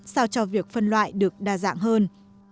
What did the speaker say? sao cho việc phân loại được đa dạng hơn